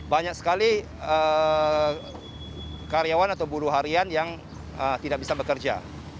banyak sekali karyawan atau buruh harian yang tidak bisa bekerja